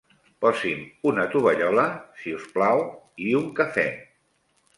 Posi'm una tovallola, si us plau, i un cafè.